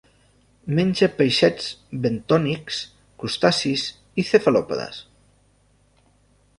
Menja peixets bentònics, crustacis i cefalòpodes.